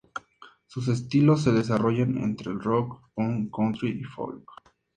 Sus estilos se desarrollan entre el rock, punk, country y folk.